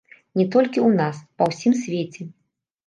Не толькі ў нас, па ўсім свеце.